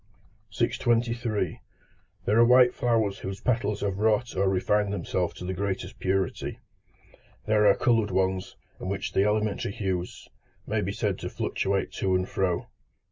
623. There are white flowers whose petals have wrought or refined themselves to the greatest purity; there are coloured ones, in which the elementary hues may be said to fluctuate to and fro.